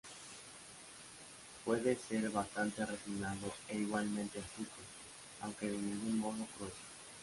Puede ser bastante refinado e igualmente astuto, aunque de ningún modo cruel.